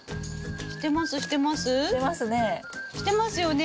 してますね。